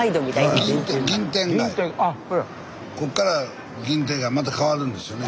スタジオこっから銀天がまた変わるんですよね。